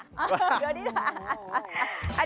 เดอร์ดี้ด่า